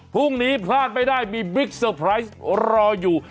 พรุ่งนี้พลาดไม่ได้มีบิ๊กเซอร์ไพรส์รออยู่